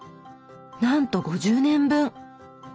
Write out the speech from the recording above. なんと５０年分！